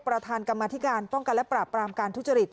ประธานกรรมธิการป้องกันและปราบปรามการทุจริต